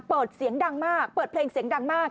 เสียงดังมากเปิดเพลงเสียงดังมาก